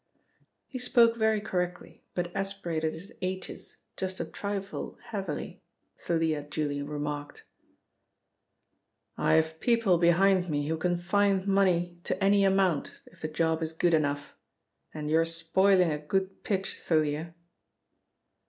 He spoke very correctly, but aspirated his "h's" just a trifle heavily, Thalia duly remarked. "I have people behind me who can find money to any amount if the job is good enough, and you're spoiling a good pitch, Thalia."